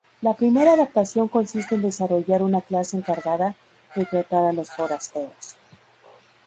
La primera adaptación consiste en desarrollar una clase encargada de tratar a los forasteros.